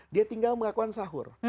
dia tinggal melakukan sahur